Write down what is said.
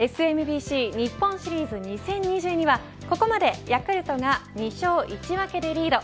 ＳＢＭＣ日本シリーズ２０２２はここまでヤクルトが２勝１分けでリード。